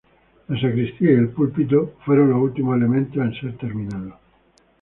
La sacristía y el púlpito fueron los últimos elementos en ser terminados.